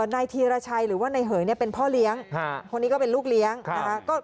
นายธีรชัยหรือว่านายเหยเนี่ยเป็นพ่อเลี้ยงคนนี้ก็เป็นลูกเลี้ยงนะคะ